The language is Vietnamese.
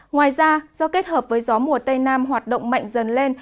ngoài ra do kết hợp với gió mùa tây nam hoạt động mạnh dần lên